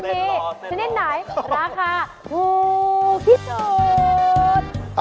เนทลอร์แบบนี้อ๋อแบบนี้ชนิดไหนราคาคูกิจสูตร